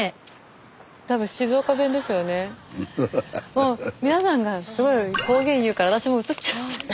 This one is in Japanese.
もう皆さんがすごい方言言うから私もうつっちゃって。